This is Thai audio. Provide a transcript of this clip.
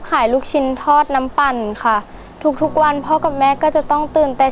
ลูกชิ้นทอดน้ำปั่นค่ะทุกทุกวันพ่อกับแม่ก็จะต้องตื่นเต้น